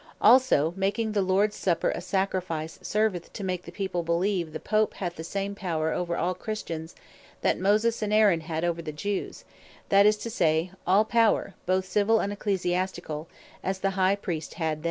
Also, the making the Lords Supper a Sacrifice, serveth to make the People beleeve the Pope hath the same power over all Christian, that Moses and Aaron had over the Jews; that is to say, all power, both Civill and Ecclesiasticall, as the High Priest then had.